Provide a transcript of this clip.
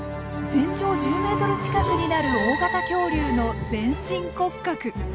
全長１０ｍ近くになる大型恐竜の全身骨格。